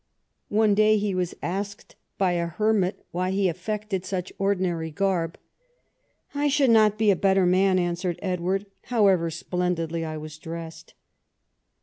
One day he was asked by a hermit why he affected such ordinary garb. '' I should not be a better man," answered Edward, "however splendidly I was dressed."